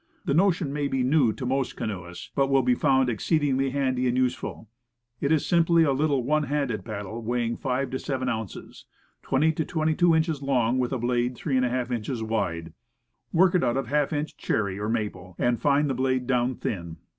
The notion maybe new to most canoeists, but will be found exceedingly handy and useful. It is simply a little one handed paddle weighing 5 to 7 ounces, 20 to 22 inches long, with a blade 3^ inches wide. Work it out of half* Paddle. 13$ inch cherry or maple, and fine the blade down thin.